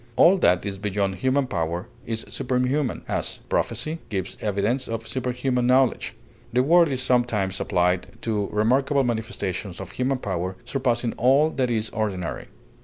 All that is beyond human power is superhuman; as, prophecy gives evidence of superhuman knowledge; the word is sometimes applied to remarkable manifestations of human power, surpassing all that is ordinary.